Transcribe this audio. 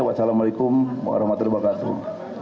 wassalamualaikum warahmatullahi wabarakatuh